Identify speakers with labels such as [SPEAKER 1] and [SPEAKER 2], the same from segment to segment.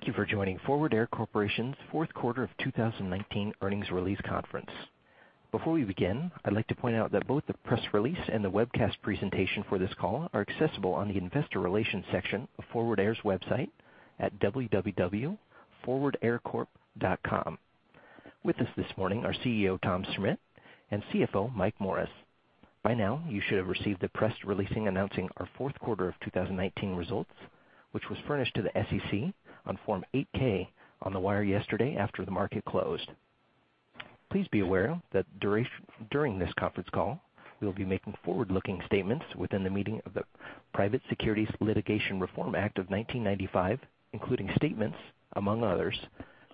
[SPEAKER 1] Thank you for joining Forward Air Corporation's Fourth Quarter of 2019 Earnings Release Conference. Before we begin, I'd like to point out that both the press release and the webcast presentation for this call are accessible on the investor relations section of Forward Air's website at www.forwardaircorp.com. With us this morning are CEO, Tom Schmitt, and CFO, Mike Morris. By now, you should have received the press release announcing our fourth quarter of 2019 results, which was furnished to the SEC on Form 8-K on the wire yesterday after the market closed. Please be aware that during this conference call, we'll be making forward-looking statements within the meaning of the Private Securities Litigation Reform Act of 1995, including statements, among others,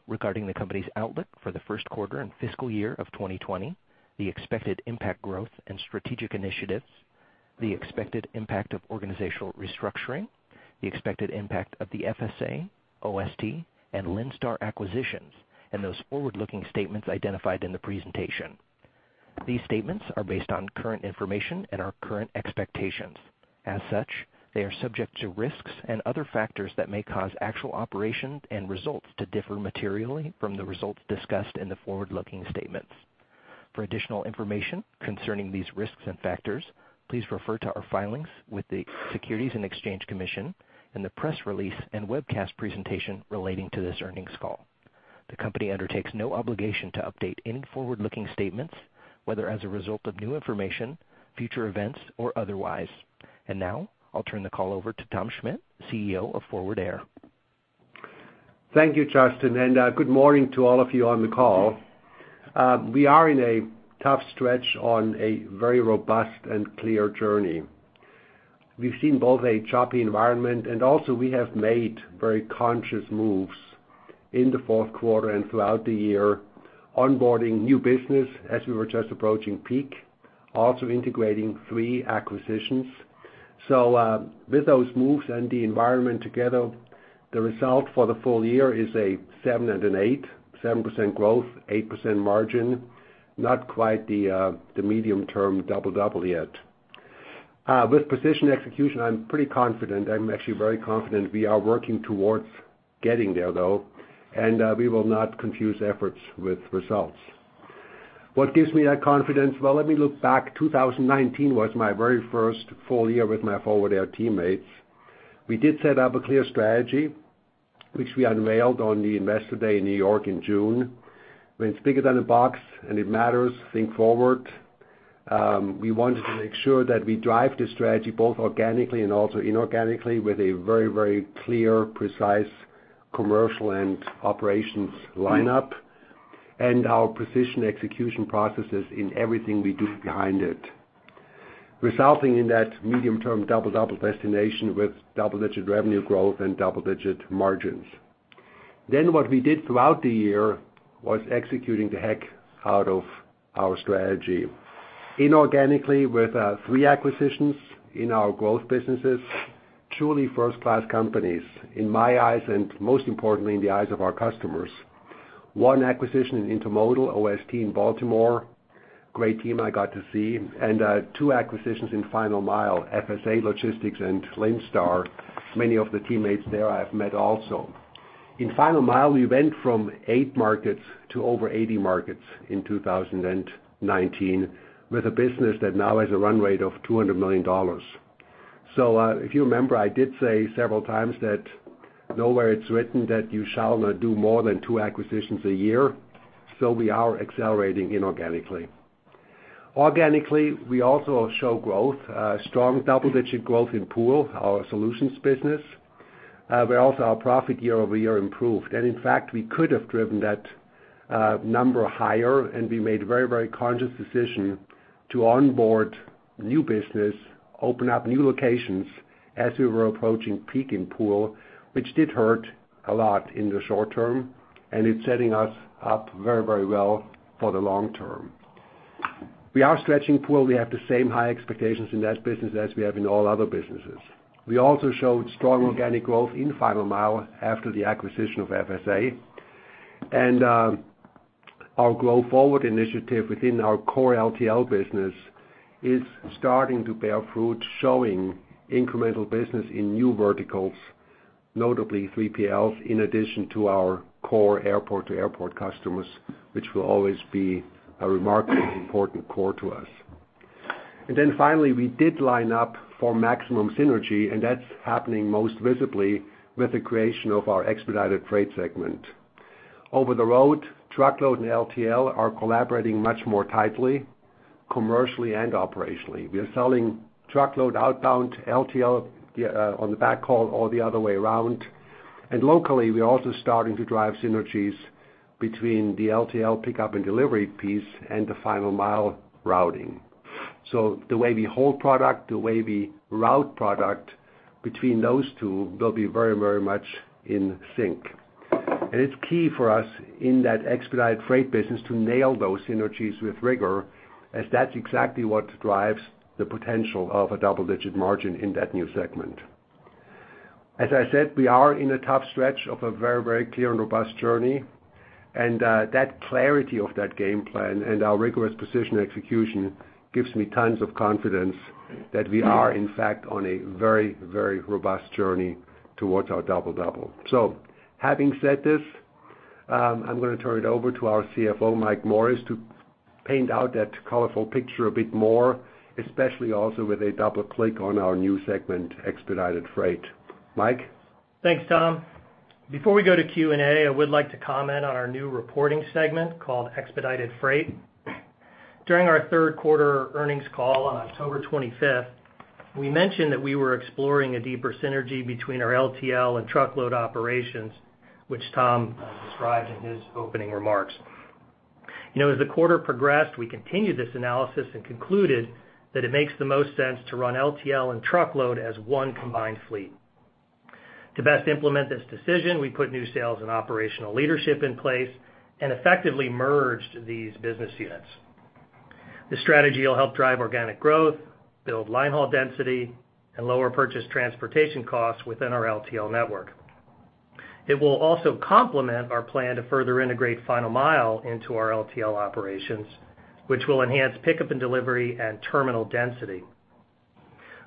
[SPEAKER 1] regarding the company's outlook for the first quarter and fiscal year of 2020. The expected impact growth and strategic initiatives, the expected impact of organizational restructuring, the expected impact of the FSA, OST, and Linn Star acquisitions, and those forward-looking statements identified in the presentation. These statements are based on current information and our current expectations. As such, they are subject to risks and other factors that may cause actual operations and results to differ materially from the results discussed in the forward-looking statements. For additional information concerning these risks and factors, please refer to our filings with the Securities and Exchange Commission and the press release and webcast presentation relating to this earnings call. The company undertakes no obligation to update any forward-looking statements, whether as a result of new information, future events, or otherwise. Now, I'll turn the call over to Tom Schmitt, CEO of Forward Air.
[SPEAKER 2] Thank you, Justin, and good morning to all of you on the call. We are in a tough stretch on a very robust and clear journey. We've seen both a choppy environment, and also we have made very conscious moves in the fourth quarter and throughout the year, onboarding new business as we were just approaching peak, also integrating three acquisitions. With those moves and the environment together, the result for the full year is a seven and an eight, 7% growth, 8% margin. Not quite the medium-term double yet. With precision execution, I'm pretty confident. I'm actually very confident we are working towards getting there, though, and we will not confuse efforts with results. What gives me that confidence? Well, let me look back. 2019 was my very first full year with my Forward Air teammates. We did set up a clear strategy, which we unveiled on the Investor Day in New York in June. When it's bigger than a box and it matters, think forward. We wanted to make sure that we drive the strategy both organically and also inorganically with a very clear, precise commercial and operations lineup, and our precision execution processes in everything we do behind it, resulting in that medium-term Double-Double with double-digit revenue growth and double-digit margins. What we did throughout the year was executing the heck out of our strategy. Inorganically, with three acquisitions in our growth businesses, truly first-class companies in my eyes, and most importantly, in the eyes of our customers. one acquisition in intermodal, O.S.T. in Baltimore. Great team I got to see. Two acquisitions in final mile, FSA Logistix and Linn Star. Many of the teammates there I have met also. In final mile, we went from eight markets to over 80 markets in 2019, with a business that now has a run rate of $200 million. If you remember, I did say several times that nowhere it's written that you shall not do more than two acquisitions a year. We are accelerating inorganically. Organically, we also show growth, strong double-digit growth in Pool, our solutions business, where also our profit year-over-year improved. In fact, we could have driven that number higher, and we made a very conscious decision to onboard new business, open up new locations as we were approaching peak in Pool, which did hurt a lot in the short term, and it's setting us up very well for the long term. We are stretching Pool. We have the same high expectations in that business as we have in all other businesses. We also showed strong organic growth in final mile after the acquisition of FSA. Our Grow Forward initiative within our core LTL business is starting to bear fruit, showing incremental business in new verticals, notably 3PLs, in addition to our core airport-to-airport customers, which will always be a remarkably important core to us. Finally, we did line up for maximum synergy, and that's happening most visibly with the creation of our Expedited Freight segment. Over the road, truckload and LTL are collaborating much more tightly, commercially and operationally. We are selling truckload outbound LTL on the back haul or the other way around. Locally, we are also starting to drive synergies between the LTL pickup and delivery piece and the final mile routing. The way we hold product, the way we route product between those two will be very much in sync. It's key for us in that Expedited Freight business to nail those synergies with rigor, as that's exactly what drives the potential of a double-digit margin in that new segment. As I said, we are in a tough stretch of a very clear and robust journey. That clarity of that game plan and our rigorous precision execution gives me tons of confidence that we are, in fact, on a very, very robust journey towards our Double-Double. Having said this, I'm going to turn it over to our CFO, Mike Morris, to paint out that colorful picture a bit more, especially also with a double click on our new segment, Expedited Freight. Mike?
[SPEAKER 3] Thanks, Tom. Before we go to Q&A, I would like to comment on our new reporting segment called Expedited Freight. During our third quarter earnings call on October 25th, we mentioned that we were exploring a deeper synergy between our LTL and truckload operations, which Tom described in his opening remarks. As the quarter progressed, we continued this analysis and concluded that it makes the most sense to run LTL and truckload as one combined fleet. To best implement this decision, we put new sales and operational leadership in place and effectively merged these business units. This strategy will help drive organic growth, build line haul density, and lower purchase transportation costs within our LTL network. It will also complement our plan to further integrate final mile into our LTL operations, which will enhance pickup and delivery at terminal density.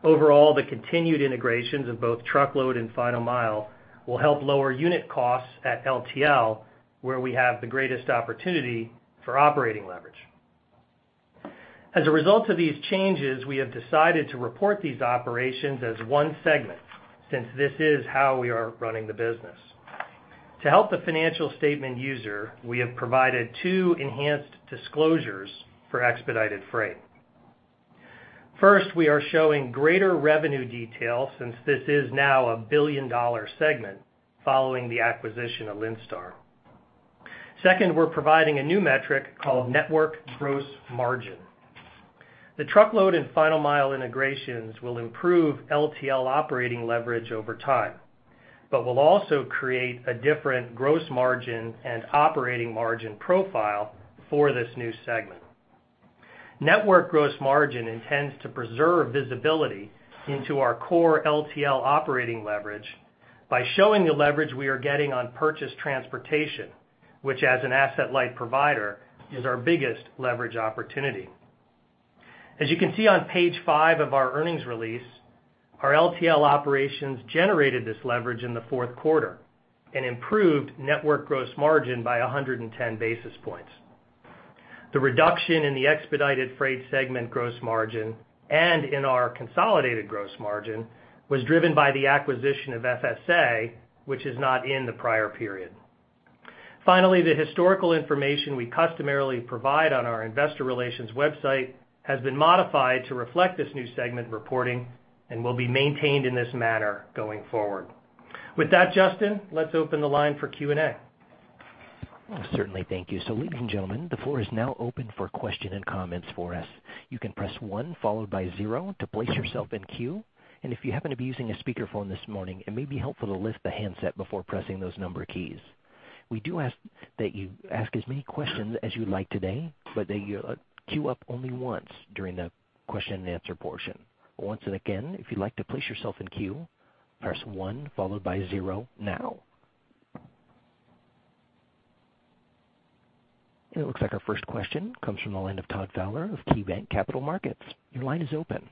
[SPEAKER 3] Overall, the continued integrations of both truckload and final mile will help lower unit costs at LTL, where we have the greatest opportunity for operating leverage. As a result of these changes, we have decided to report these operations as one segment, since this is how we are running the business. To help the financial statement user, we have provided two enhanced disclosures for Expedited Freight. First, we are showing greater revenue detail since this is now a billion-dollar segment following the acquisition of Linn Star. Second, we're providing a new metric called network gross margin. The truckload and final mile integrations will improve LTL operating leverage over time, but will also create a different gross margin and operating margin profile for this new segment. Network gross margin intends to preserve visibility into our core LTL operating leverage by showing the leverage we are getting on purchased transportation, which as an asset-light provider, is our biggest leverage opportunity. As you can see on page five of our earnings release, our LTL operations generated this leverage in the fourth quarter and improved network gross margin by 110 basis points. The reduction in the Expedited Freight segment gross margin and in our consolidated gross margin was driven by the acquisition of FSA, which is not in the prior period. Finally, the historical information we customarily provide on our investor relations website has been modified to reflect this new segment reporting and will be maintained in this manner going forward. With that, Justin, let's open the line for Q&A.
[SPEAKER 1] Certainly. Thank you. Ladies and gentlemen, the floor is now open for questions and comments for us. You can press one followed by zero to place yourself in queue, and if you happen to be using a speakerphone this morning, it may be helpful to lift the handset before pressing those number keys. We do ask that you ask as many questions as you'd like today, but that you queue up only once during the question and answer portion. Once and again, if you'd like to place yourself in queue, press one followed by zero now. It looks like our first question comes from the line of Todd Fowler of KeyBanc Capital Markets. Your line is open.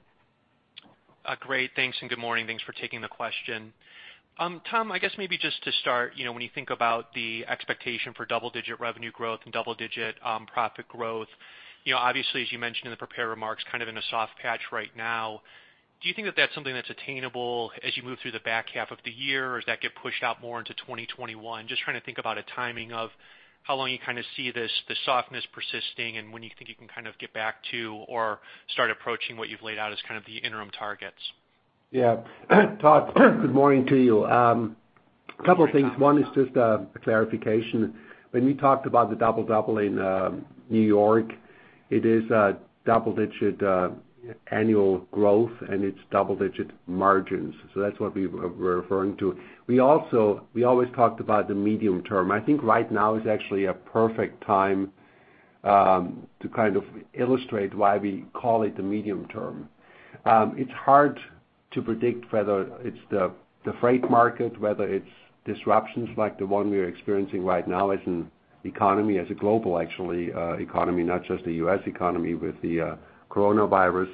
[SPEAKER 4] Great. Thanks. Good morning. Thanks for taking the question. Tom, I guess maybe just to start, when you think about the expectation for double-digit revenue growth and double-digit profit growth. Obviously, as you mentioned in the prepared remarks, kind of in a soft patch right now. Do you think that that's something that's attainable as you move through the back half of the year, or does that get pushed out more into 2021? Just trying to think about a timing of how long you kind of see this softness persisting and when you think you can kind of get back to or start approaching what you've laid out as kind of the interim targets.
[SPEAKER 2] Yeah. Todd, good morning to you. Couple of things. One is just a clarification. When we talked about the Double-Double in New York, it is double-digit annual growth and it's double-digit margins. That's what we were referring to. We always talked about the medium-term. I think right now is actually a perfect time to kind of illustrate why we call it the medium-term. It's hard to predict whether it's the freight market, whether it's disruptions like the one we are experiencing right now as an economy, as a global, actually, economy, not just the U.S. economy with the coronavirus.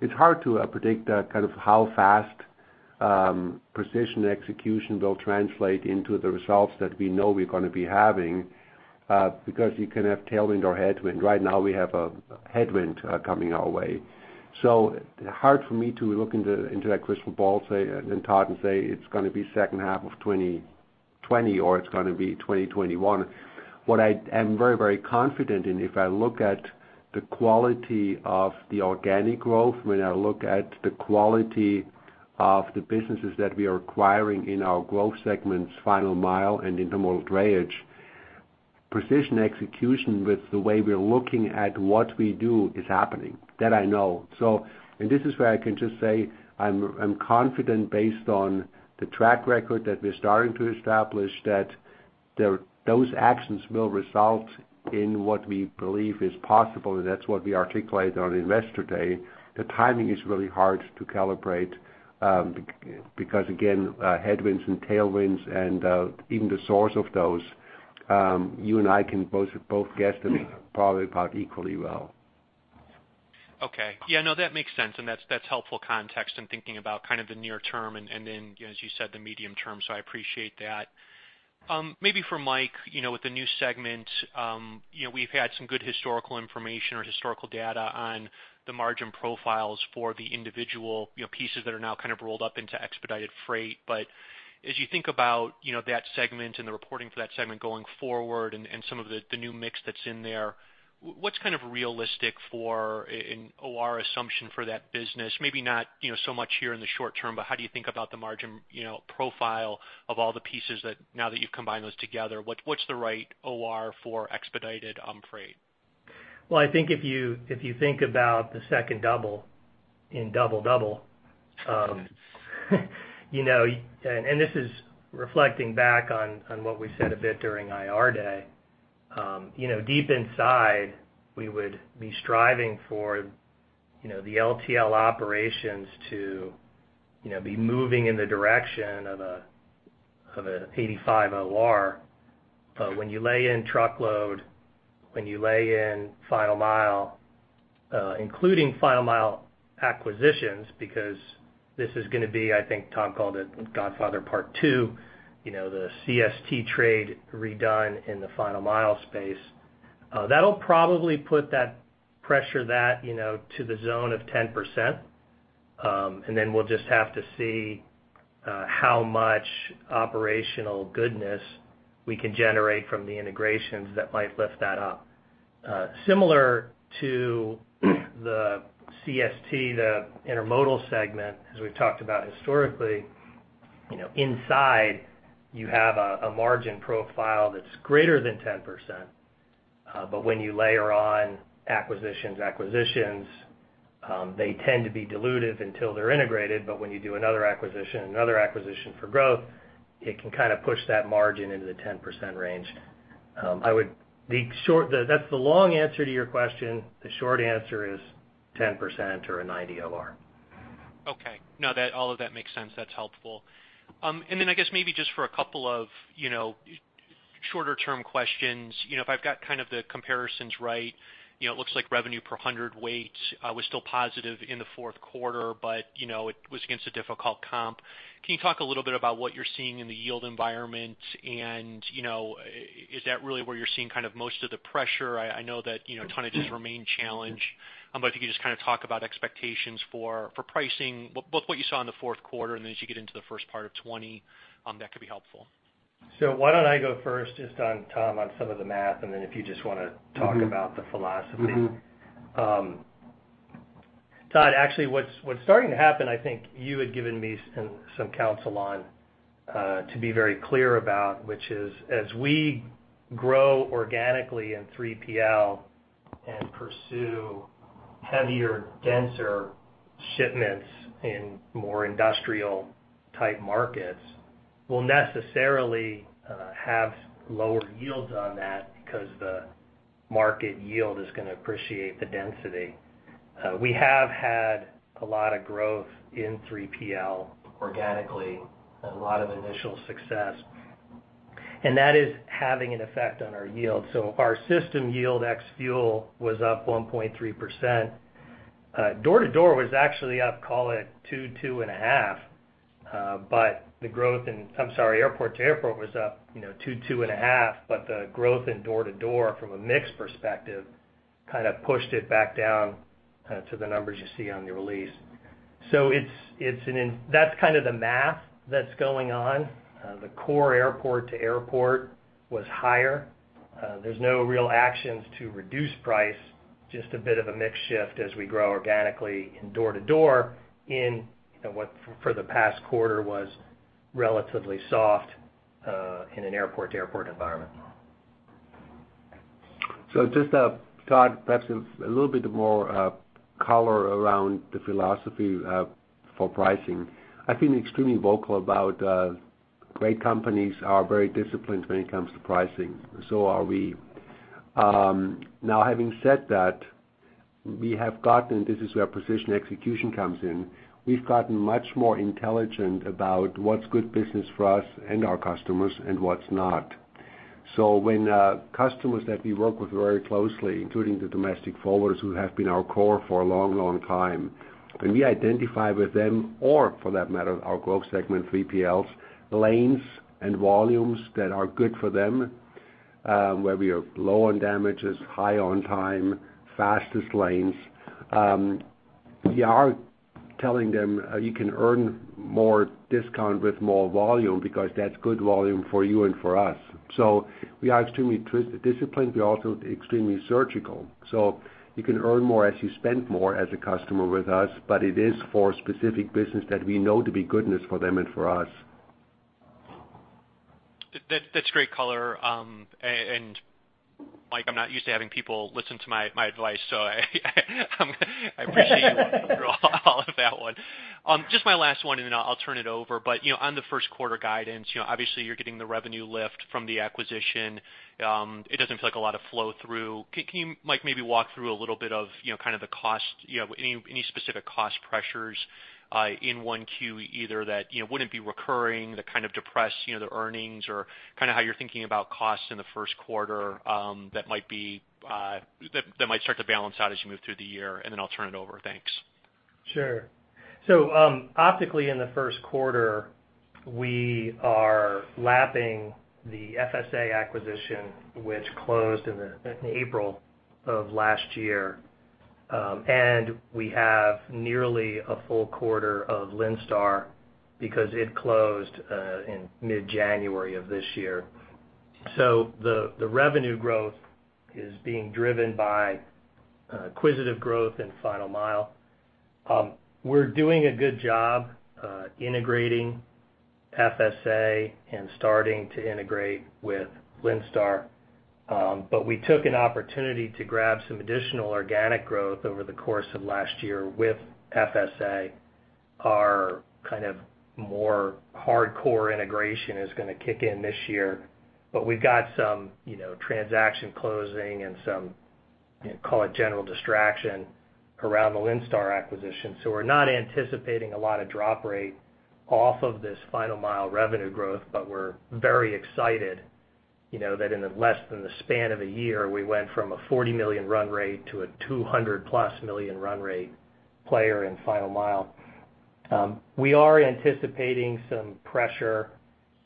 [SPEAKER 2] It's hard to predict how fast precision execution will translate into the results that we know we're going to be having because you can have tailwind or headwind. Right now, we have a headwind coming our way. It's hard for me to look into that crystal ball, Todd, and say it's going to be second half of 2020, or it's going to be 2021. What I am very, very confident in, if I look at the quality of the organic growth, when I look at the quality of the businesses that we are acquiring in our growth segments, final mile and intermodal drayage, precision execution with the way we are looking at what we do is happening. That I know. This is where I can just say I'm confident based on the track record that we're starting to establish, that those actions will result in what we believe is possible, and that's what we articulated on Investor Day. The timing is really hard to calibrate, because again, headwinds and tailwinds and even the source of those, you and I can both guess them probably about equally well.
[SPEAKER 4] Okay. Yeah, no, that makes sense. That's helpful context in thinking about the near term and then, as you said, the medium term. I appreciate that. Maybe for Mike, with the new segment, we've had some good historical information or historical data on the margin profiles for the individual pieces that are now kind of rolled up into Expedited Freight. As you think about that segment and the reporting for that segment going forward and some of the new mix that's in there, what's kind of realistic for an OR assumption for that business? Maybe not so much here in the short term, but how do you think about the margin profile of all the pieces that, now that you've combined those together, what's the right OR for Expedited Freight?
[SPEAKER 3] Well, I think if you think about the second Double in Double-Double, and this is reflecting back on what we said a bit during IR day. Deep inside, we would be striving for the LTL operations to be moving in the direction of a 85 OR. When you lay in truckload, when you lay in final mile, including final mile acquisitions, because this is going to be, I think Tom called it Godfather Part Two, the CST trade redone in the final mile space. That'll probably put that pressure that to the zone of 10%. We'll just have to see how much operational goodness we can generate from the integrations that might lift that up. Similar to the CST, the intermodal segment, as we've talked about historically, inside you have a margin profile that's greater than 10%. When you layer on acquisitions, they tend to be dilutive until they're integrated. When you do another acquisition and another acquisition for growth, it can kind of push that margin into the 10% range. That's the long answer to your question. The short answer is 10% or a 90 OR.
[SPEAKER 4] Okay. No, all of that makes sense. That's helpful. I guess maybe just for a couple of shorter-term questions, if I've got kind of the comparisons right, it looks like revenue per hundredweight was still positive in the fourth quarter, but it was against a difficult comp. Can you talk a little bit about what you're seeing in the yield environment, and is that really where you're seeing most of the pressure? I know that tonnages remain challenged, but if you could just talk about expectations for pricing, both what you saw in the fourth quarter and then as you get into the first part of 2020, that could be helpful.
[SPEAKER 3] Why don't I go first just on, Tom, on some of the math, and then if you just want to talk about the philosophy. Todd, actually, what's starting to happen, I think you had given me some counsel on to be very clear about, which is as we grow organically in 3PL and pursue heavier, denser shipments in more industrial type markets, we'll necessarily have lower yields on that because the market yield is going to appreciate the density. We have had a lot of growth in 3PL organically and a lot of initial success. That is having an effect on our yield. Our system yield ex-fuel was up 1.3%. Door to door was actually up, call it, two and a half. The growth in. I'm sorry, airport to airport was up 2.5, but the growth in door to door from a mix perspective kind of pushed it back down to the numbers you see on the release. That's kind of the math that's going on. The core airport to airport was higher. There's no real actions to reduce price, just a bit of a mix shift as we grow organically in door to door in what for the past quarter was relatively soft in an airport to airport environment.
[SPEAKER 2] Just, Todd, perhaps a little bit more color around the philosophy for pricing. I've been extremely vocal about great companies are very disciplined when it comes to pricing. Are we. Now, having said that, we have gotten, this is where precision execution comes in, we've gotten much more intelligent about what's good business for us and our customers and what's not. When customers that we work with very closely, including the domestic forwarders who have been our core for a long time, when we identify with them, or for that matter, our growth segment, 3PLs, lanes and volumes that are good for them, where we are low on damages, high on time, fastest lanes. We are telling them you can earn more discount with more volume because that's good volume for you and for us. We are extremely disciplined. We are also extremely surgical. You can earn more as you spend more as a customer with us, but it is for specific business that we know to be goodness for them and for us.
[SPEAKER 4] That's great color. Mike, I'm not used to having people listen to my advice, so I appreciate you going along with that one. Just my last one, and then I'll turn it over. On the first quarter guidance, obviously you're getting the revenue lift from the acquisition. It doesn't feel like a lot of flow through. Can you, Mike, maybe walk through a little bit of the cost, any specific cost pressures in 1Q either that wouldn't be recurring that kind of depress the earnings or how you're thinking about costs in the first quarter that might start to balance out as you move through the year, and then I'll turn it over. Thanks.
[SPEAKER 3] Sure. Optically in the first quarter, we are lapping the FSA acquisition, which closed in April of last year. We have nearly a full quarter of Linn Star because it closed in mid-January of this year. The revenue growth is being driven by acquisitive growth in final mile. We're doing a good job integrating FSA and starting to integrate with Linn Star. We took an opportunity to grab some additional organic growth over the course of last year with FSA. Our more hardcore integration is going to kick in this year, but we've got some transaction closing and some call it general distraction around the Linn Star acquisition. We're not anticipating a lot of drop rate off of this final mile revenue growth, but we're very excited that in less than the span of a year, we went from a $40 million run rate to a $200+ million run rate player in final mile. We are anticipating some pressure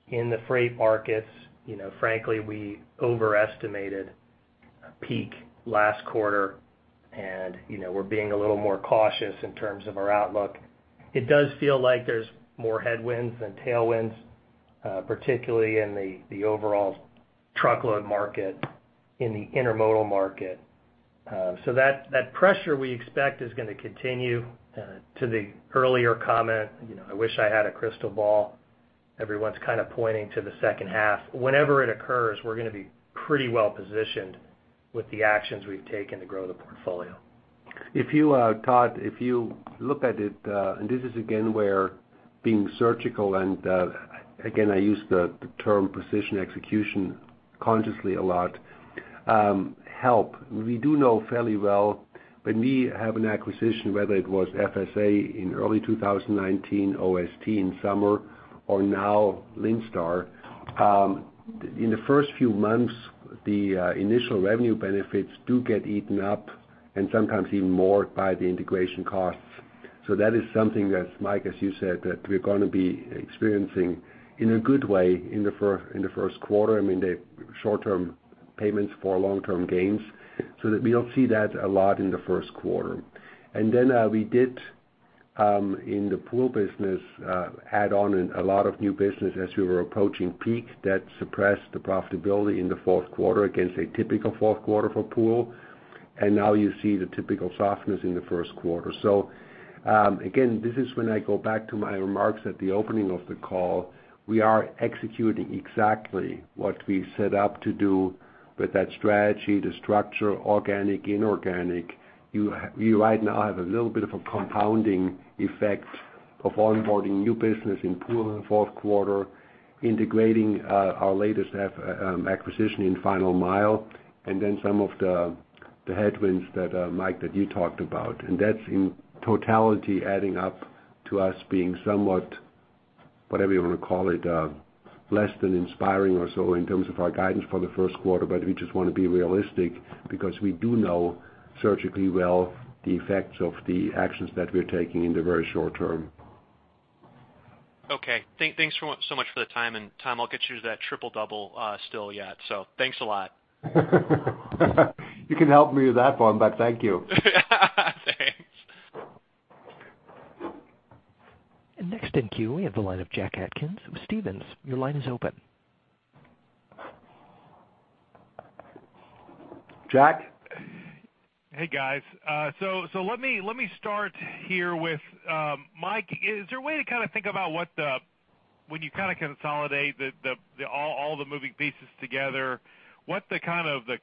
[SPEAKER 3] in the freight markets. Frankly, we overestimated peak last quarter, and we're being a little more cautious in terms of our outlook. It does feel like there's more headwinds than tailwinds, particularly in the overall truckload market, in the intermodal market. That pressure we expect is going to continue. To the earlier comment, I wish I had a crystal ball. Everyone's kind of pointing to the second half. Whenever it occurs, we're going to be pretty well positioned with the actions we've taken to grow the portfolio.
[SPEAKER 2] Todd, if you look at it, and this is again where being surgical and, again, I use the term precision execution consciously a lot, help. We do know fairly well when we have an acquisition, whether it was FSA in early 2019, OST in summer, or now Linn Star. In the first few months, the initial revenue benefits do get eaten up and sometimes even more by the integration costs. That is something that, Mike, as you said, that we're going to be experiencing in a good way in the first quarter. I mean, the short-term payments for long-term gains. That we don't see that a lot in the first quarter. We did, in the pool business, add on a lot of new business as we were approaching peak that suppressed the profitability in the fourth quarter against a typical fourth quarter for pool. Now you see the typical softness in the first quarter. Again, this is when I go back to my remarks at the opening of the call. We are executing exactly what we set up to do with that strategy, the structure, organic, inorganic. You right now have a little bit of a compounding effect of onboarding new business in pool in the fourth quarter, integrating our latest acquisition in final mile, and then some of the headwinds, Mike, that you talked about. That's in totality adding up to us being somewhat, whatever you want to call it, less than inspiring or so in terms of our guidance for the first quarter. We just want to be realistic because we do know surgically well the effects of the actions that we're taking in the very short term.
[SPEAKER 4] Okay. Thanks so much for the time. Tom, I'll get you to that triple-double still yet. Thanks a lot.
[SPEAKER 2] You can help me with that one, but thank you.
[SPEAKER 4] Thanks.
[SPEAKER 1] Next in queue, we have the line of Jack Atkins with Stephens. Your line is open.
[SPEAKER 2] Jack?
[SPEAKER 5] Hey, guys. Let me start here with Mike. Is there a way to think about when you consolidate all the moving pieces together, what the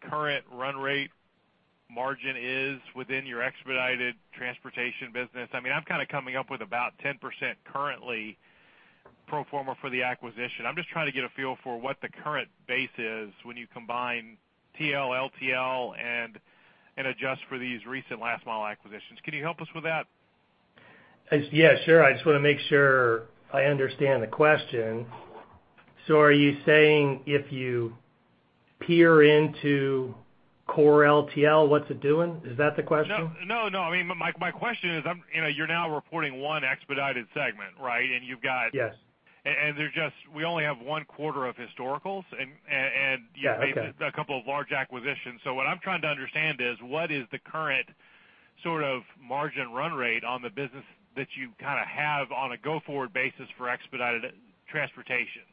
[SPEAKER 5] current run rate margin is within your Expedited Transportation business? I'm coming up with about 10% currently pro forma for the acquisition. I'm just trying to get a feel for what the current base is when you combine TL, LTL, and adjust for these recent last mile acquisitions. Can you help us with that?
[SPEAKER 3] Yeah, sure. I just want to make sure I understand the question. Are you saying if you peer into core LTL, what's it doing? Is that the question?
[SPEAKER 5] No, my question is, you're now reporting one Expedited segment, right?
[SPEAKER 3] Yes.
[SPEAKER 5] We only have one quarter of historicals, and you have-
[SPEAKER 3] Okay
[SPEAKER 5] A couple of large acquisitions. What I'm trying to understand is what is the current sort of margin run rate on the business that you have on a go-forward basis for expedited transportation?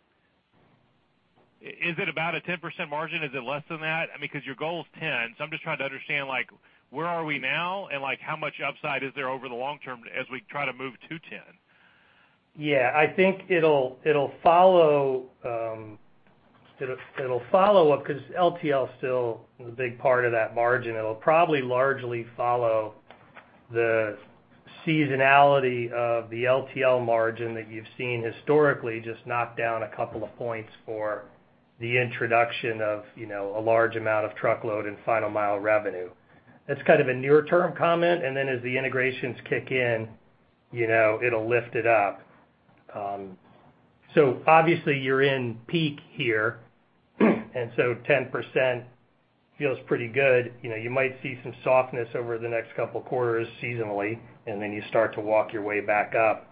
[SPEAKER 5] Is it about a 10% margin? Is it less than that? Because your goal is 10. I'm just trying to understand where are we now, and how much upside is there over the long term as we try to move to 10?
[SPEAKER 3] Yeah, I think it'll follow up because LTL is still a big part of that margin. It'll probably largely follow the seasonality of the LTL margin that you've seen historically, just knocked down a couple of points for the introduction of a large amount of truckload and final mile revenue. That's kind of a near-term comment. As the integrations kick in, it'll lift it up. Obviously you're in peak here. 10% feels pretty good. You might see some softness over the next couple of quarters seasonally. You start to walk your way back up,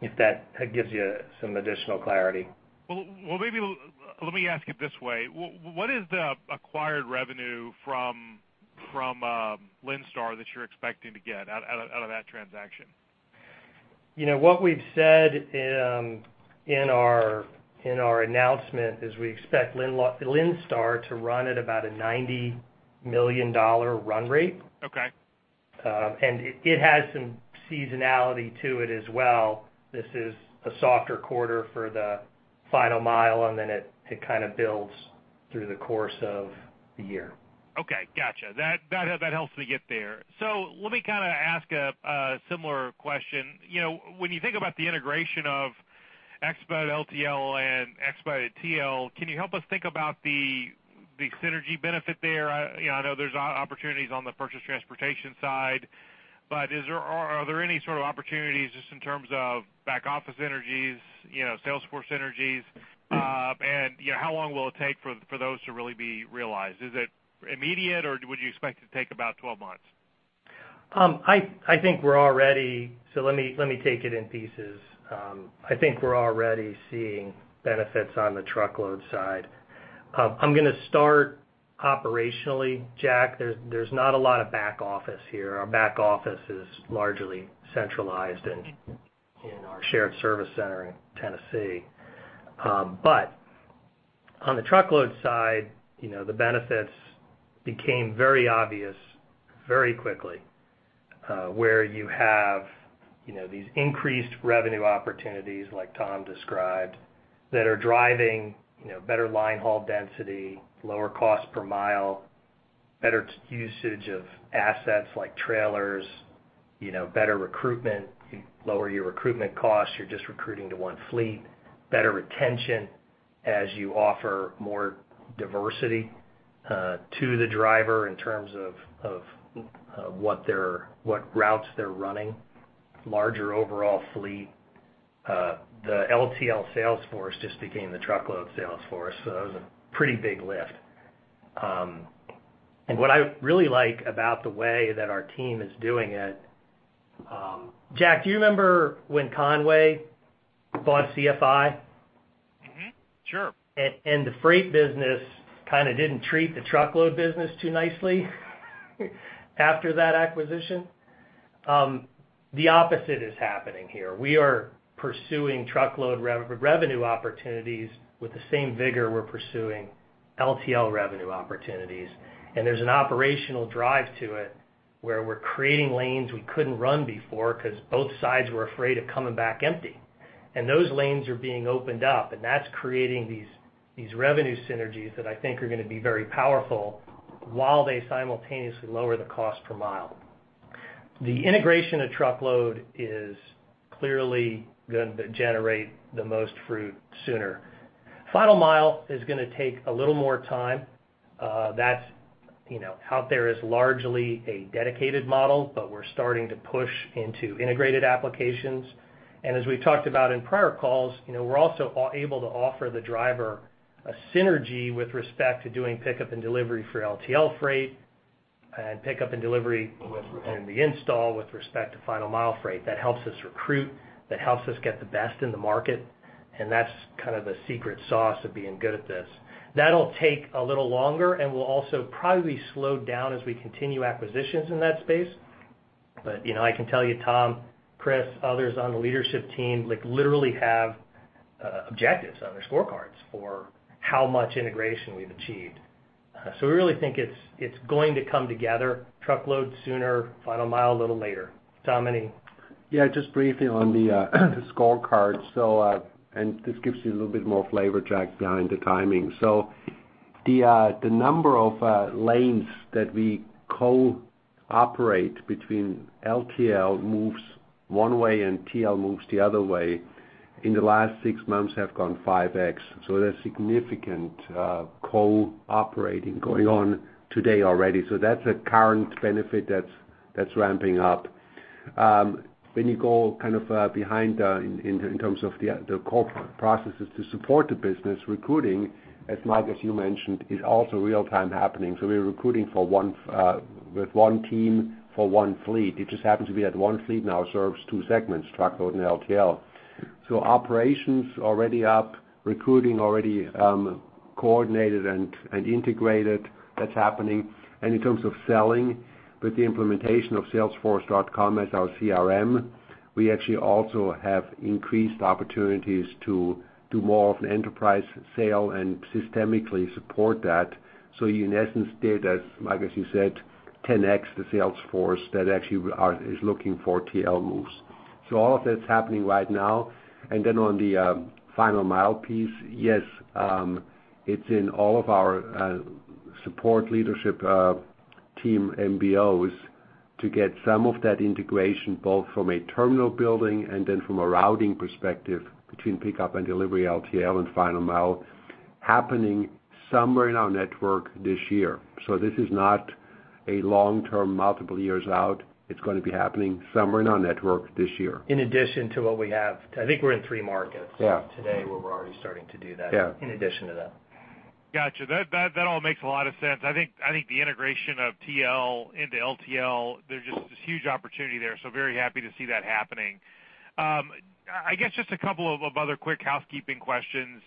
[SPEAKER 3] if that gives you some additional clarity.
[SPEAKER 5] Well, maybe let me ask it this way. What is the acquired revenue from Linn Star that you're expecting to get out of that transaction?
[SPEAKER 3] What we've said in our announcement is we expect Linn Star to run at about a $90 million run rate.
[SPEAKER 5] Okay.
[SPEAKER 3] It has some seasonality to it as well. This is a softer quarter for the final mile, and then it kind of builds through the course of the year.
[SPEAKER 5] Okay, got you. That helps me get there. Let me kind of ask a similar question. When you think about the integration of Expedited LTL and Expedited TL, can you help us think about the synergy benefit there? I know there's opportunities on the purchase transportation side, but are there any sort of opportunities just in terms of back office synergies, Salesforce synergies? How long will it take for those to really be realized? Is it immediate, or would you expect it to take about 12 months?
[SPEAKER 3] Let me take it in pieces. I think we're already seeing benefits on the truckload side. I'm going to start operationally, Jack. There's not a lot of back office here. Our back office is largely centralized in our shared service center in Tennessee. On the truckload side, the benefits became very obvious very quickly, where you have these increased revenue opportunities like Tom described, that are driving better line haul density, lower cost per mile, better usage of assets like trailers, better recruitment. You lower your recruitment costs. You're just recruiting to one fleet. Better retention as you offer more diversity to the driver in terms of what routes they're running. Larger overall fleet. The LTL sales force just became the truckload sales force. That was a pretty big lift. What I really like about the way that our team is doing it Jack, do you remember when Con-way bought CFI?
[SPEAKER 5] Sure.
[SPEAKER 3] The freight business kind of didn't treat the truckload business too nicely after that acquisition. The opposite is happening here. We are pursuing truckload revenue opportunities with the same vigor we're pursuing LTL revenue opportunities. There's an operational drive to it, where we're creating lanes we couldn't run before because both sides were afraid of coming back empty. Those lanes are being opened up, and that's creating these revenue synergies that I think are going to be very powerful while they simultaneously lower the cost per mile. The integration of truckload is clearly going to generate the most fruit sooner. Final mile is going to take a little more time. That out there is largely a dedicated model, but we're starting to push into integrated applications. As we've talked about in prior calls, we're also able to offer the driver a synergy with respect to doing pickup and delivery for LTL freight, and pickup and delivery in the install with respect to final mile freight. That helps us recruit, that helps us get the best in the market, and that's kind of the secret sauce of being good at this. That'll take a little longer and will also probably slow down as we continue acquisitions in that space. I can tell you, Tom, Chris, others on the leadership team literally have objectives on their scorecards for how much integration we've achieved. We really think it's going to come together, truckload sooner, final mile a little later. Tom, any?
[SPEAKER 2] Yeah, just briefly on the scorecard, and this gives you a little bit more flavor, Jack, behind the timing. The number of lanes that we cooperate between LTL moves one way and TL moves the other way in the last six months have gone 5x. There's significant cooperating going on today already. That's a current benefit that's ramping up. When you go kind of behind in terms of the core processes to support the business, recruiting, as Mike, as you mentioned, is also real time happening. We are recruiting with one team for one fleet. It just happens to be that one fleet now serves two segments, truckload and LTL. Operations already up, recruiting already coordinated and integrated. That's happening. In terms of selling, with the implementation of salesforce.com as our CRM, we actually also have increased opportunities to do more of an enterprise sale and systemically support that. In essence, data, Mike, as you said, 10x the sales force that actually is looking for TL moves. All of that's happening right now. On the final mile piece, yes, it's in all of our support leadership team MBOs to get some of that integration, both from a terminal building and then from a routing perspective between pickup and delivery LTL and final mile happening somewhere in our network this year. This is not a long-term, multiple years out. It's going to be happening somewhere in our network this year.
[SPEAKER 3] In addition to what we have. I think we're in three markets
[SPEAKER 2] Yeah
[SPEAKER 3] today, where we're already starting to do that.
[SPEAKER 2] Yeah
[SPEAKER 3] In addition to that.
[SPEAKER 5] Got you. That all makes a lot of sense. I think the integration of TL into LTL, there is just this huge opportunity there, very happy to see that happening. I guess just a couple of other quick housekeeping questions.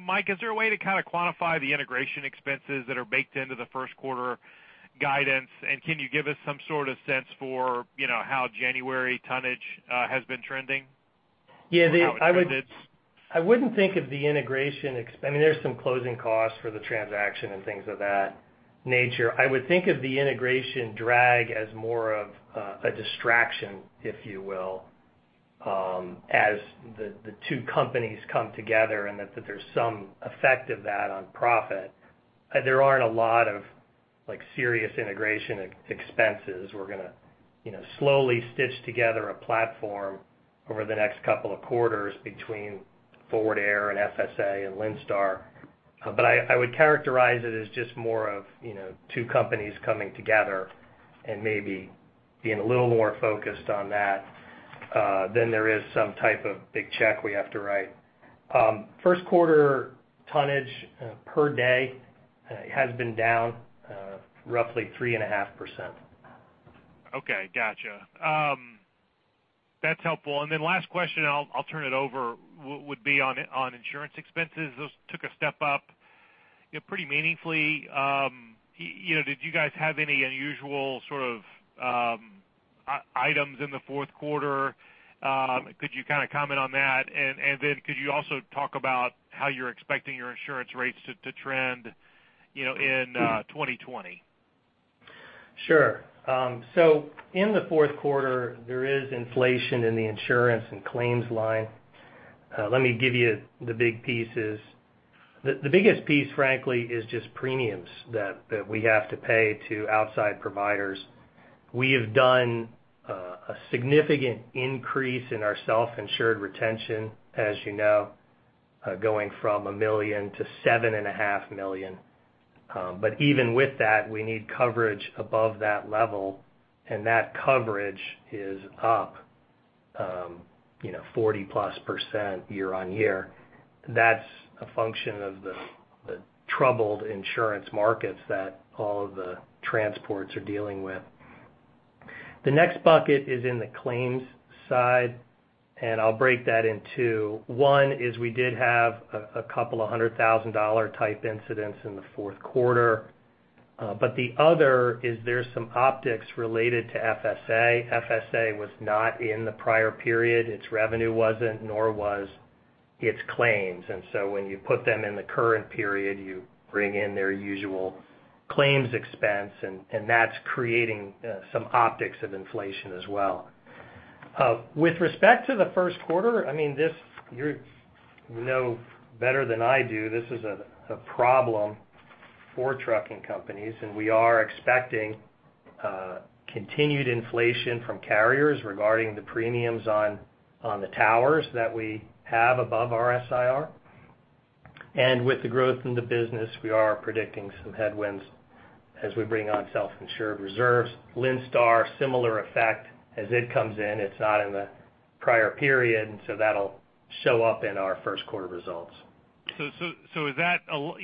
[SPEAKER 5] Mike, is there a way to kind of quantify the integration expenses that are baked into the first quarter guidance? Can you give us some sort of sense for how January tonnage has been trending?
[SPEAKER 3] Yeah.
[SPEAKER 5] How it commits?
[SPEAKER 3] I wouldn't think of the integration. There's some closing costs for the transaction and things of that nature. I would think of the integration drag as more of a distraction, if you will, as the two companies come together, and that there's some effect of that on profit. There aren't a lot of serious integration expenses. We're going to slowly stitch together a platform over the next couple of quarters between Forward Air and FSA and Linn Star. I would characterize it as just more of two companies coming together and maybe being a little more focused on that, than there is some type of big check we have to write. First quarter tonnage per day has been down roughly three and a half%.
[SPEAKER 5] Okay. Got you. That's helpful. Last question, and I'll turn it over, would be on insurance expenses. Those took a step up pretty meaningfully. Did you guys have any unusual sort of items in the fourth quarter? Could you kind of comment on that? Could you also talk about how you're expecting your insurance rates to trend in 2020?
[SPEAKER 3] Sure. In the fourth quarter, there is inflation in the insurance and claims line. Let me give you the big pieces. The biggest piece, frankly, is just premiums that we have to pay to outside providers. We have done a significant increase in our self-insured retention, as you know, going from $1 million to $7.5 million. Even with that, we need coverage above that level, and that coverage is up 40%+ year-over-year. That's a function of the troubled insurance markets that all of the transports are dealing with. The next bucket is in the claims side, and I'll break that in two. One is we did have a couple of $100,000-type incidents in the fourth quarter. The other is there's some optics related to FSA. FSA was not in the prior period. Its revenue wasn't, nor was its claims. When you put them in the current period, you bring in their usual claims expense, and that's creating some optics of inflation as well. With respect to the first quarter, you know better than I do, this is a problem for trucking companies, and we are expecting continued inflation from carriers regarding the premiums on the towers that we have above our SIR. With the growth in the business, we are predicting some headwinds as we bring on self-insured reserves. Linn Star, similar effect. As it comes in, it's not in the prior period, that'll show up in our first quarter results.
[SPEAKER 5] Is that, call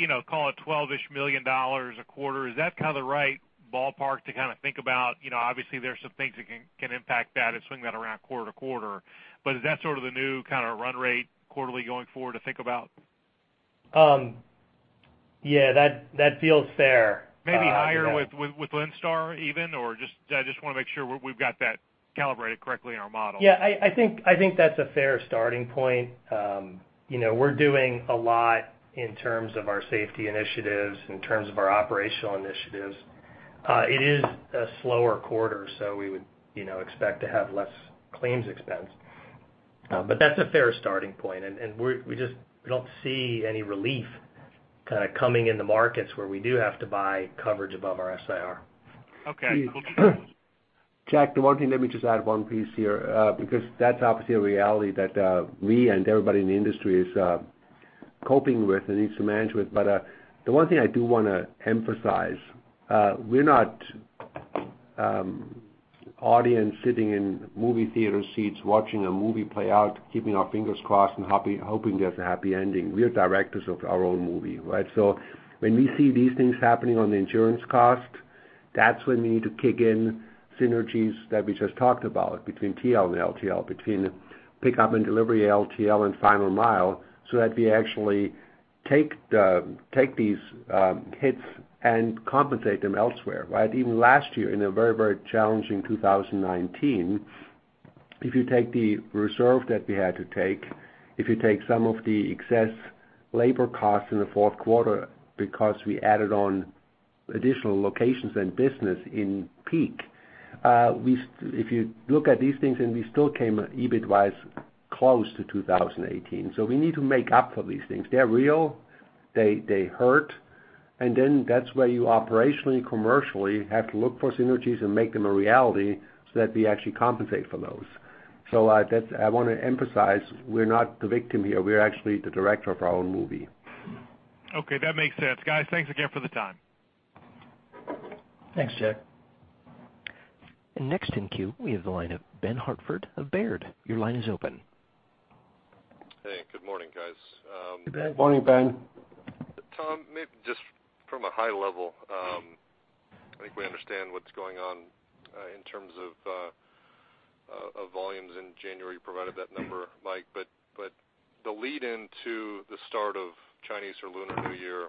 [SPEAKER 5] it $12-ish million a quarter? Is that kind of the right ballpark to kind of think about? Obviously, there are some things that can impact that and swing that around quarter to quarter. Is that sort of the new kind of run rate quarterly going forward to think about?
[SPEAKER 3] Yeah. That feels fair.
[SPEAKER 5] Maybe higher with Linn Star even? I just want to make sure we've got that calibrated correctly in our model.
[SPEAKER 3] Yeah. I think that's a fair starting point. We're doing a lot in terms of our safety initiatives, in terms of our operational initiatives. It is a slower quarter, so we would expect to have less claims expense. That's a fair starting point, and we just don't see any relief kind of coming in the markets where we do have to buy coverage above our SIR.
[SPEAKER 5] Okay. Cool.
[SPEAKER 2] Jack, the one thing, let me just add one piece here. That's obviously a reality that we and everybody in the industry is coping with and needs to manage with. The one thing I do want to emphasize, we're not audience sitting in movie theater seats watching a movie play out, keeping our fingers crossed and hoping there's a happy ending. We are directors of our own movie, right? When we see these things happening on the insurance cost, that's when we need to kick in synergies that we just talked about between TL and LTL, between pickup and delivery LTL and final mile, so that we actually take these hits and compensate them elsewhere, right? Even last year in a very challenging 2019, if you take the reserve that we had to take, if you take some of the excess labor costs in the fourth quarter because we added on additional locations and business in peak. If you look at these things and we still came EBIT wise close to 2018. We need to make up for these things. They're real. They hurt. That's where you operationally, commercially have to look for synergies and make them a reality so that we actually compensate for those. I want to emphasize we're not the victim here. We're actually the director of our own movie.
[SPEAKER 5] Okay, that makes sense. Guys, thanks again for the time.
[SPEAKER 3] Thanks, Jack.
[SPEAKER 1] Next in queue, we have the line of Ben Hartford of Baird. Your line is open.
[SPEAKER 6] Hey, good morning guys.
[SPEAKER 2] Good morning, Ben.
[SPEAKER 6] Tom, maybe just from a high level, I think we understand what's going on in terms of volumes in January. You provided that number, Mike, but the lead into the start of Chinese or Lunar New Year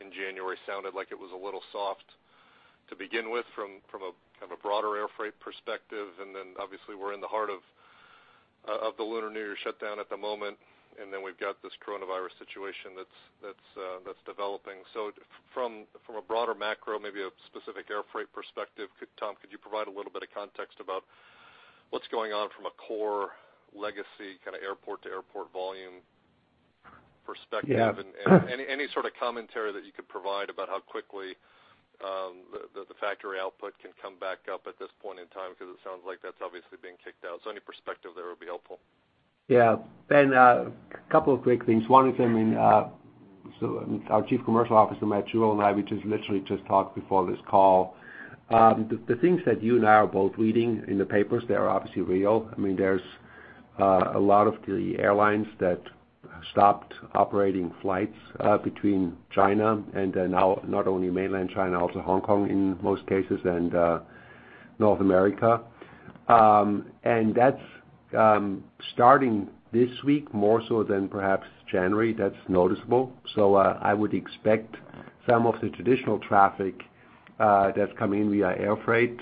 [SPEAKER 6] in January sounded like it was a little soft to begin with from a kind of a broader air freight perspective. Obviously we're in the heart of the Lunar New Year shutdown at the moment, and then we've got this coronavirus situation that's developing. From a broader macro, maybe a specific air freight perspective, Tom, could you provide a little bit of context about what's going on from a core legacy kind of airport to airport volume perspective?
[SPEAKER 2] Yeah.
[SPEAKER 6] Any sort of commentary that you could provide about how quickly the factory output can come back up at this point in time, because it sounds like that's obviously being kicked out, so any perspective there would be helpful.
[SPEAKER 2] Ben, a couple of quick things. One is, our chief commercial officer, Matt Jewell, and I, we literally just talked before this call. The things that you and I are both reading in the papers, they are obviously real. There's a lot of the airlines that stopped operating flights between China, and then now not only mainland China, also Hong Kong in most cases, and North America. That's starting this week more so than perhaps January that's noticeable. I would expect some of the traditional traffic that's coming in via air freight,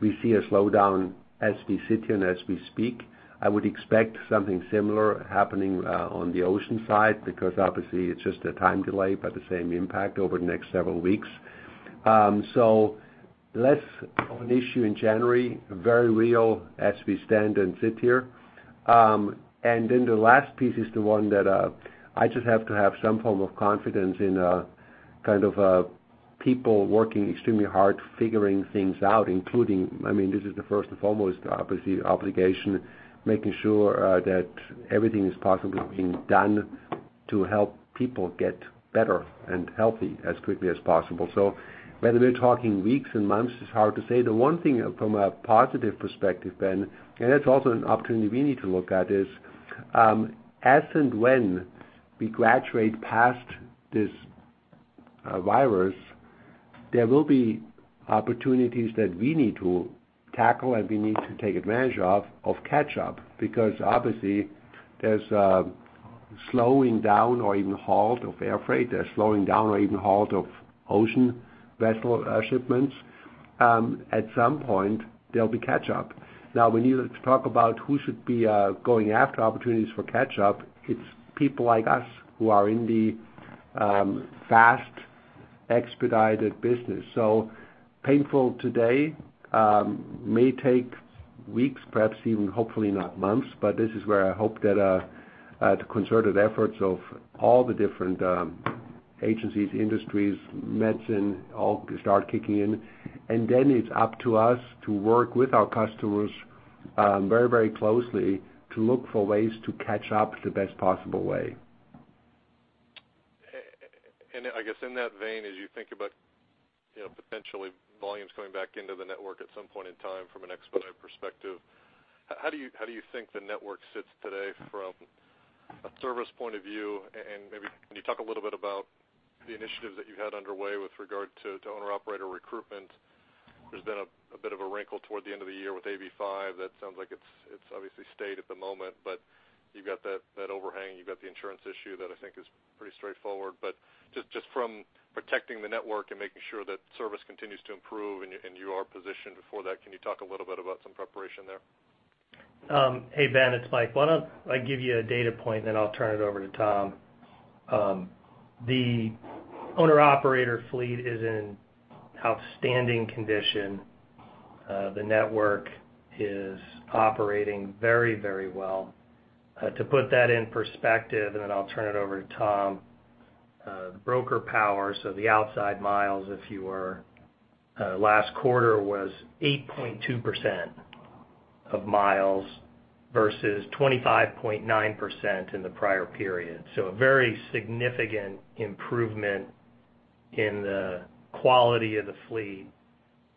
[SPEAKER 2] we see a slowdown as we sit here and as we speak. I would expect something similar happening on the ocean side because obviously it's just a time delay, but the same impact over the next several weeks. Less of an issue in January, very real as we stand and sit here. The last piece is the one that I just have to have some form of confidence in people working extremely hard figuring things out, including, this is the first and foremost, obviously, obligation, making sure that everything is possibly being done to help people get better and healthy as quickly as possible. Whether we're talking weeks and months, it's hard to say. The one thing from a positive perspective, Ben, and that's also an opportunity we need to look at is, as and when we graduate past this virus, there will be opportunities that we need to tackle, and we need to take advantage of catch-up because obviously there's a slowing down or even halt of air freight. There's slowing down or even halt of ocean vessel shipments. At some point, there'll be catch-up. When you talk about who should be going after opportunities for catch-up, it's people like us who are in the fast expedited business. Painful today, may take weeks, perhaps even, hopefully not months, but this is where I hope that the concerted efforts of all the different agencies, industries, medicine, all start kicking in. It's up to us to work with our customers very closely to look for ways to catch up the best possible way.
[SPEAKER 6] I guess in that vein, as you think about potentially volumes coming back into the network at some point in time from an expedited perspective, how do you think the network sits today from a service point of view? Maybe can you talk a little bit about the initiatives that you had underway with regard to owner-operator recruitment? There's been a bit of a wrinkle toward the end of the year with AB5. That sounds like it's obviously stayed at the moment, but you've got that overhang, you've got the insurance issue that I think is pretty straightforward. Just from protecting the network and making sure that service continues to improve and you are positioned for that, can you talk a little bit about some preparation there?
[SPEAKER 3] Hey, Ben, it's Mike. Why don't I give you a data point, then I'll turn it over to Tom. The owner operator fleet is in outstanding condition. The network is operating very well. To put that in perspective, and then I'll turn it over to Tom, the broker power, so the outside miles, if you were last quarter, was 8.2% of miles versus 25.9% in the prior period. A very significant improvement in the quality of the fleet,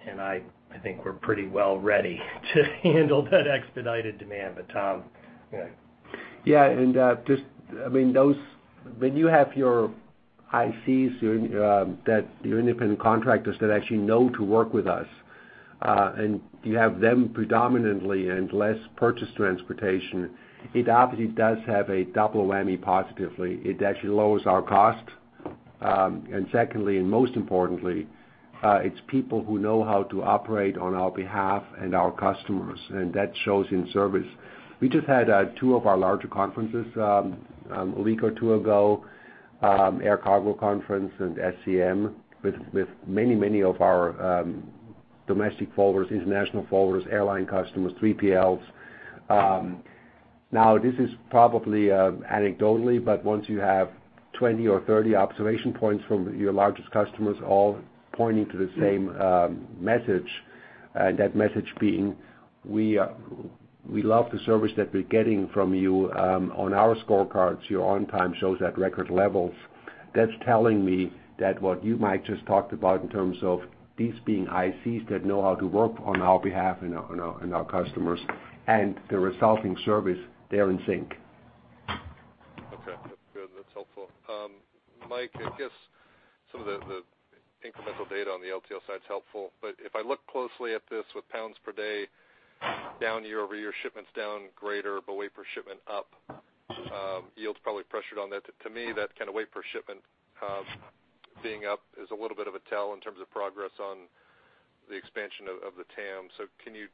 [SPEAKER 3] and I think we're pretty well ready to handle that expedited demand. Tom.
[SPEAKER 2] Yeah. When you have your ICs, your independent contractors that actually know to work with us, and you have them predominantly and less purchased transportation, it obviously does have a double whammy positively. It actually lowers our cost. Secondly, and most importantly, it's people who know how to operate on our behalf and our customers, and that shows in service. We just had two of our larger conferences a week or two ago, air cargo conference and SCM, with many of our domestic forwarders, international forwarders, airline customers, 3PLs. Now, this is probably anecdotally, but once you have 20 or 30 observation points from your largest customers all pointing to the same message, that message being, "We love the service that we're getting from you. On our scorecards, your on time shows at record levels. That's telling me that what you, Mike, just talked about in terms of these being ICs that know how to work on our behalf and our customers and the resulting service, they're in sync.
[SPEAKER 6] Okay, that's good. That's helpful. Mike, I guess some of the incremental data on the LTL side is helpful. If I look closely at this with pounds per day down year-over-year, shipments down greater, but weight per shipment up, yield's probably pressured on that. To me, that kind of weight per shipment being up is a little bit of a tell in terms of progress on the expansion of the TAM. Can you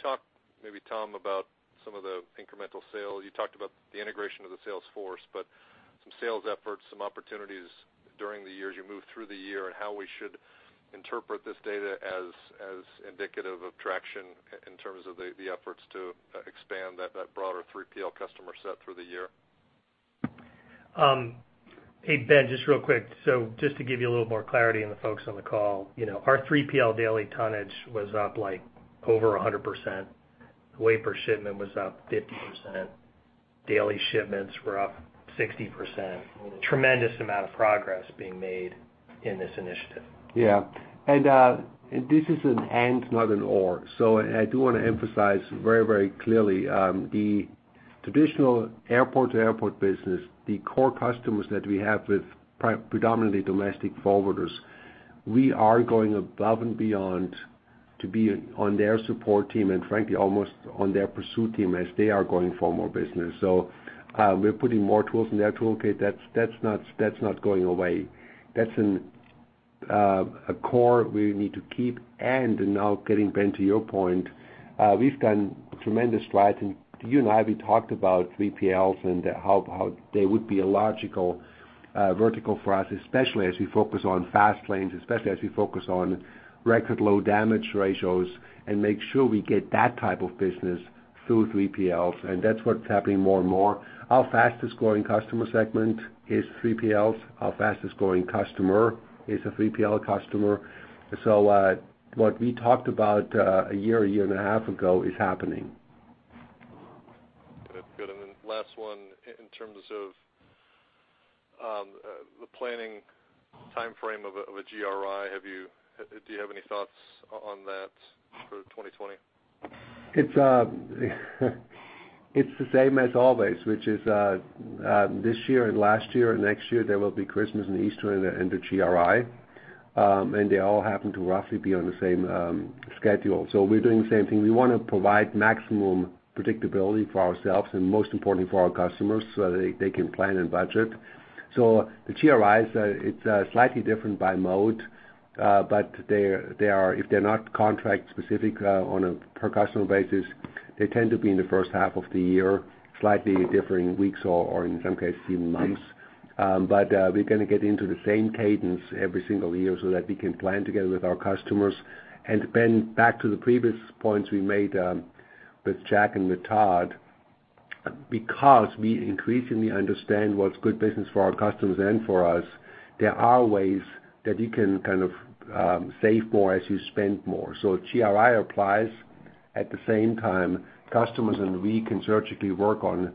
[SPEAKER 6] talk, maybe Tom, about some of the incremental sales? You talked about the integration of the sales force, but some sales efforts, some opportunities during the year as you move through the year, and how we should interpret this data as indicative of traction in terms of the efforts to expand that broader 3PL customer set through the year.
[SPEAKER 3] Hey, Ben, just real quick. Just to give you a little more clarity, and the folks on the call, our 3PL daily tonnage was up over 100%. Weight per shipment was up 50%. Daily shipments were up 60%. Tremendous amount of progress being made in this initiative.
[SPEAKER 2] This is an and, not an or. I do want to emphasize very clearly, the traditional airport-to-airport business, the core customers that we have with predominantly domestic forwarders, we are going above and beyond to be on their support team, and frankly, almost on their pursuit team as they are going for more business. We're putting more tools in their toolkit. That's not going away. That's a core we need to keep. Now getting, Ben, to your point, we've gotten tremendous strides. You and I, we talked about 3PLs and how they would be a logical vertical for us, especially as we focus on fast lanes, especially as we focus on record low damage ratios and make sure we get that type of business through 3PLs, and that's what's happening more and more. Our fastest-growing customer segment is 3PLs. Our fastest-growing customer is a 3PL customer. What we talked about a year, a year and a half ago is happening.
[SPEAKER 6] Good. Last one, in terms of the planning timeframe of a GRI, do you have any thoughts on that for 2020?
[SPEAKER 2] It's the same as always, which is this year and last year and next year, there will be Christmas and Easter and a GRI. They all happen to roughly be on the same schedule. We're doing the same thing. We want to provide maximum predictability for ourselves and most importantly, for our customers, so that they can plan and budget. The GRIs, it's slightly different by mode. If they're not contract specific on a per customer basis, they tend to be in the first half of the year, slightly differing weeks or in some cases, even months. We're going to get into the same cadence every single year so that we can plan together with our customers. Ben, back to the previous points we made with Jack and with Todd, because we increasingly understand what's good business for our customers and for us, there are ways that you can save more as you spend more. GRI applies at the same time customers, and we can surgically work on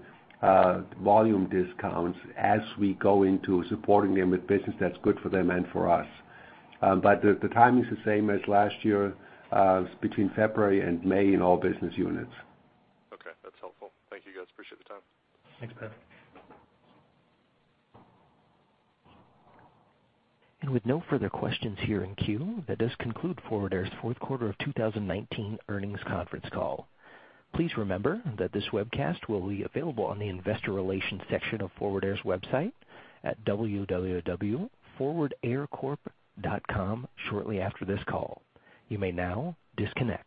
[SPEAKER 2] volume discounts as we go into supporting them with business that's good for them and for us. The timing is the same as last year. It's between February and May in all business units.
[SPEAKER 6] Okay, that's helpful. Thank you, guys. Appreciate the time.
[SPEAKER 3] Thanks, Ben.
[SPEAKER 1] With no further questions here in queue, that does conclude Forward Air's fourth quarter of 2019 earnings conference call. Please remember that this webcast will be available on the investor relations section of Forward Air's website at www.forwardaircorp.com shortly after this call. You may now disconnect.